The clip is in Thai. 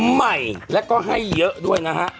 ใหม่แล้วก็ให้เยอะด้วยนะฮะ